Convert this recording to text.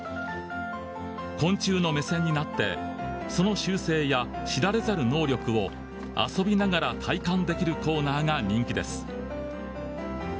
昆虫の目線になってその習性や知られざる能力を遊びながら体感できるコーナーが人気です。